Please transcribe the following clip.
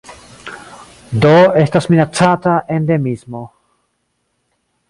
Do estas minacata endemismo.